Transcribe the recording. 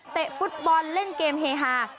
ฟุตบอลเล่นเกมเฮฮา